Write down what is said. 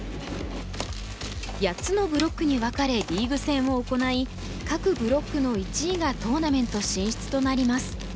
８つのブロックに分かれリーグ戦を行い各ブロックの１位がトーナメント進出となります。